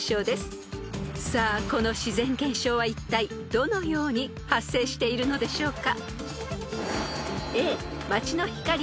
［さあこの自然現象はいったいどのように発生しているのでしょうか？］